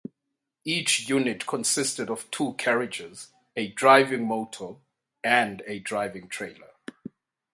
Each unit consisted of two carriages; a driving motor and a driving trailer.